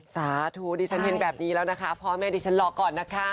สาธุดิฉันเห็นแบบนี้แล้วนะคะพ่อแม่ดิฉันรอก่อนนะคะ